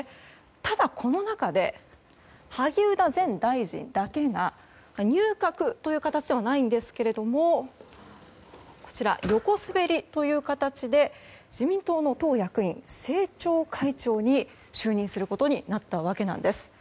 ただ、この中で萩生田前大臣だけが入閣という形ではないんですが横滑りという形で自民党の党役員、政調会長に就任することになったわけなんです。